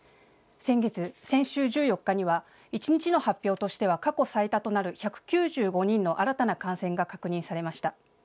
先週１４日には一日の発表としては過去最多となる１９５人の新たな感染が確認されました。